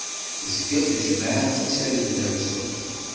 Tezga tejmaɛt tettargu tafsut.